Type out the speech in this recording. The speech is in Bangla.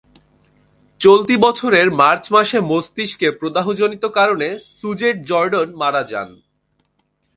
চলতি বছরের মার্চ মাসে মস্তিষ্কে প্রদাহজনিত কারণে সুজেট জর্ডন মারা যান।